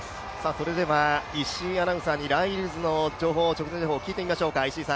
それでは石井アナウンサーにライルズの直前情報を聞いてみましょうか。